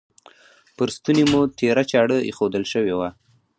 پر ستوني مو تیره چاړه ایښودل شوې وه.